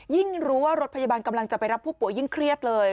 รู้ว่ารถพยาบาลกำลังจะไปรับผู้ป่วยยิ่งเครียดเลย